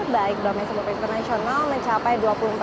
baik domestik bupet internasional mencapai dua puluh empat dua ratus sebelas